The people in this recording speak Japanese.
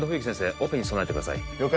オペに備えてください了解